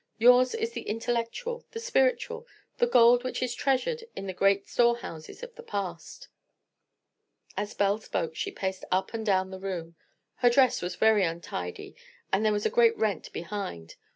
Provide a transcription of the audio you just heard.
Yours is the intellectual, the spiritual, the gold which is treasured in the great storehouses of the past." As Belle spoke she paced up and down the room. Her dress was very untidy, and there was a great rent behind.